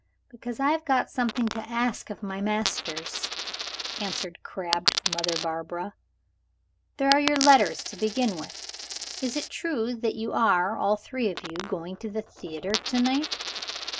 "Because I have got something to ask of my masters," answered crabbed Mother Barbara. "There are your letters, to begin with. Is it true that you are, all three of you, going to the theater to night?"